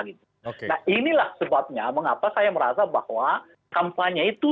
nah inilah sebabnya mengapa saya merasa bahwa kampanye itu